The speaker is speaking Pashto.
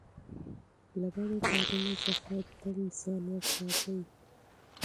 له بدو کارونو څخه تل ځان وساتئ.